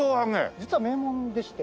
実は名門でして。